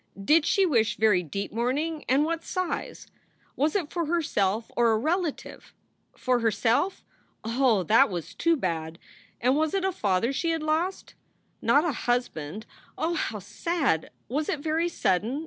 Did she wish very deep mourning, and what size? Was it for herself or 9 8 SOULS FOR SALE a relative? For herself? Oh, that was too bad! And was it a father she had lost? Not a husband? Oh, how sad! Was it very sudden?